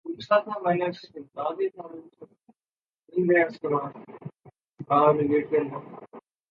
میں اپنی زندگی ایسے نہیں گزارنا چاہتا